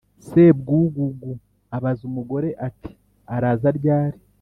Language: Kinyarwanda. sebwugugu abaza umugore ati:araza ryari